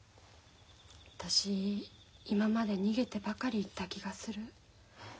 私今まで逃げてばかりいた気がする。